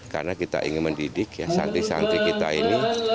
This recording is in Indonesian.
karena kita ingin mendidik ya santri santri kita ini